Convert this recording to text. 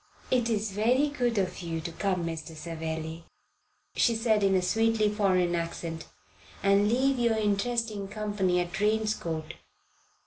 "It is very good of you to come, Mr. Savelli," she said in a sweetly foreign accent, "and leave your interesting company at Drane's Court."